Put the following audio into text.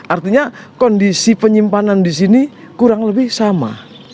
artinya kondisi penyimpanan di sini kurang lebih sama